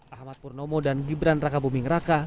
ahmad purnomo dan gibran raka buming raka